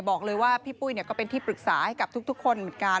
บอกเลยว่าพี่ปุ้ยก็เป็นที่ปรึกษาให้กับทุกคนเหมือนกัน